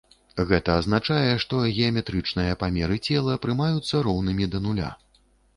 Гэта азначае, што геаметрычныя памеры цела прымаюцца роўнымі да нуля.